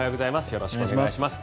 よろしくお願いします。